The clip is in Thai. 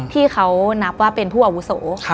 ที่เขานับว่าเป็นผู้อาวุโส